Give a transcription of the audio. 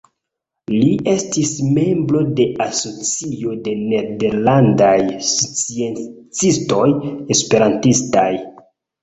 Li estis membro de Asocio de Nederlandaj Sciencistoj Esperantistaj.